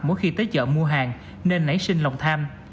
mỗi khi tới chợ mua hàng nên nảy sinh lòng tham